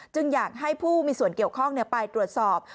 อยากให้ผู้มีส่วนเกี่ยวข้องไปตรวจสอบ